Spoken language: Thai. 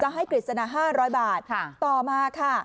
จะให้คฤษณะห้าร้อยบาทค่ะต่อมาค่ะ